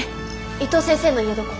伊藤先生の家どこ？